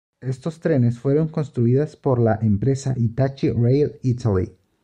Estos trenes fueron construidas por la empresa Hitachi Rail Italy.